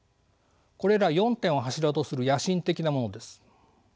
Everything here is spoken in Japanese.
これら４点を柱とする野心的なものです。